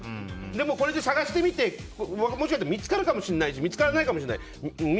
でも、これで探してみてもしかしたら見つかるかもしれないし見つからないかもしれない。